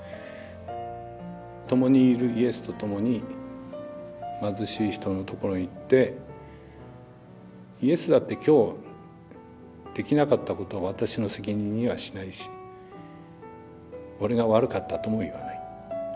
ともにいるイエスとともに貧しい人のところに行ってイエスだって今日できなかったことを私の責任にはしないし俺が悪かったとも言わない。